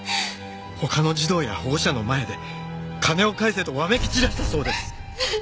他の児童や保護者の前で金を返せとわめき散らしたそうです。